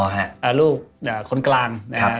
อ๋อฮะลูกคนกลาง